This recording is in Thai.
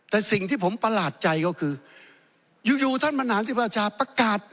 แต่สิ่งที่ผมประหลาดใจก็คืออยู่ท่านประธานสิวาชาประกาศ